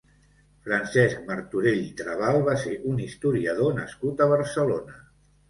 Francesc Martorell i Trabal va ser un historiador nascut a Barcelona.